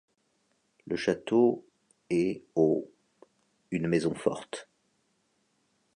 Le château est au une maison forte.